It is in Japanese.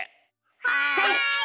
はい！